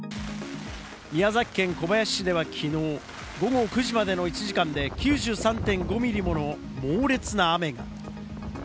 宮崎県小林市では昨日、午後９時までの１時間で９３．５ミリもの猛烈な雨が。